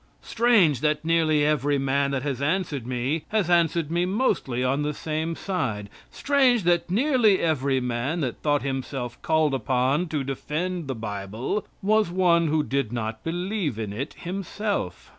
Strange, that nearly every man that has answered me has answered me mostly on the same side. Strange, that nearly every man that thought himself called upon to defend the Bible was one who did not believe in it himself.